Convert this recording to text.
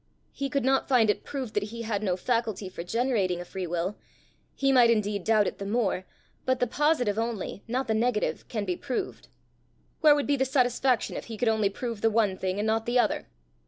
"He could not find it proved that he had no faculty for generating a free will. He might indeed doubt it the more; but the positive only, not the negative, can be proved." "Where would be the satisfaction if he could only prove the one thing and not the other?"